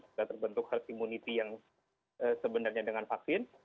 sudah terbentuk herd immunity yang sebenarnya dengan vaksin